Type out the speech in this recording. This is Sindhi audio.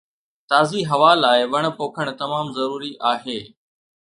تازي هوا لاءِ وڻ پوکڻ تمام ضروري آهي